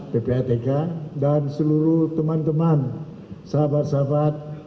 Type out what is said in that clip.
ppa tk dan seluruh teman teman sahabat sahabat